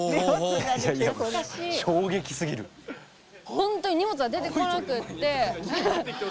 ほんとに荷物が出てこなくって。